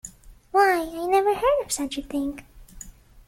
Why, I never heard of such a thing!